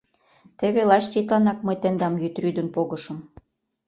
Теве лач тидланак мый тендам йӱд рӱдын погышым.